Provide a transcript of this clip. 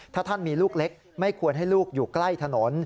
ถ้าท่านมีลูกเล็กไม่ควรให้ลูกอยู่ใกล้ถนน